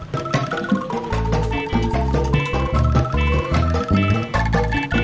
sampai jumpa di video selanjutnya